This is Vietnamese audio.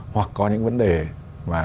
hoặc có những vấn đề mà